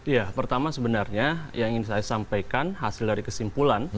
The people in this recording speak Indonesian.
ya pertama sebenarnya yang ingin saya sampaikan hasil dari kesimpulan